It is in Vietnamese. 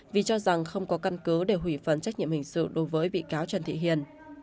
vì cho rằng không có căn cứ để hủy phần trách nhiệm hình sự đối với bị cáo trần thị hiền